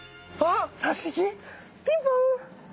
ピンポン！